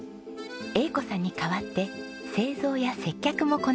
英子さんに代わって製造や接客もこなしてくれるんです。